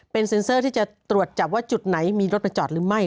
เป็นเซ็นเซอร์ที่จะตรวจจับว่าจุดไหนมีรถไปจอดหรือไม่